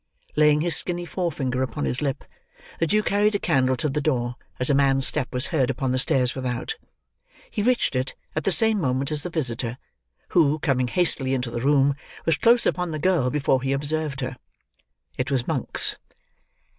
Laying his skinny forefinger upon his lip, the Jew carried a candle to the door, as a man's step was heard upon the stairs without. He reached it, at the same moment as the visitor, who, coming hastily into the room, was close upon the girl before he observed her. It was Monks.